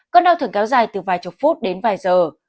cơn đau thường kéo dài từ vài chục phút đến vài giờ